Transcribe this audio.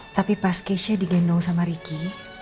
tapi pas keisha digendong sama ricky